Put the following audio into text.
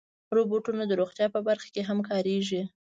روبوټونه د روغتیا په برخه کې هم کارېږي.